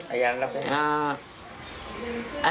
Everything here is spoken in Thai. อะไรอย่างนั้นครับ